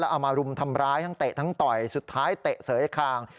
เอามารุมทำร้ายทั้งเตะทั้งต่อยสุดท้ายเตะเสยคาง